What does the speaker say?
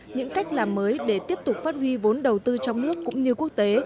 những cách làm mới để tiếp tục phát huy vốn đầu tư trong nước cũng như quốc tế